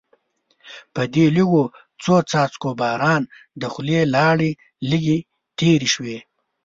په دې لږو څو څاڅکو باران د خولې لاړې لږې تېرې شوې.